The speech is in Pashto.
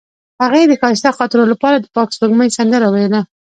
هغې د ښایسته خاطرو لپاره د پاک سپوږمۍ سندره ویله.